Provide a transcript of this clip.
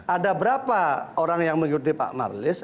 ada berapa orang yang mengikuti pak marlis